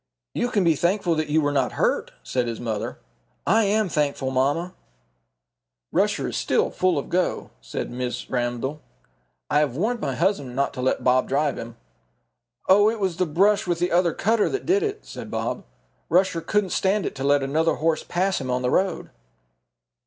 "You can be thankful that you were not hurt," said his mamma. "I am thankful, mamma." "Rusher is still full of go," said Mrs. Ramdell. "I have warned my husband not to let Bob drive him." "Oh, it was the brush with the other cutter that did it," said Bob. "Rusher couldn't stand it to let another horse pass him on the road."